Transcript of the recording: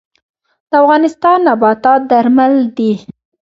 د افغانستان نباتات درمل دي